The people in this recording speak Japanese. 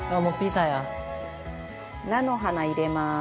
財前：菜の花、入れます。